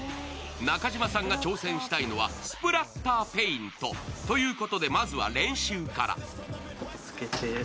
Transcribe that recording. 中島さんが挑戦したいのはスプラッターペイント。ということで、まずは練習から。